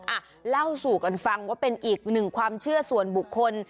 อ่ะเล่าสู่กันฟังว่าเป็นอีกหนึ่งความเชื่อส่วนบุคคล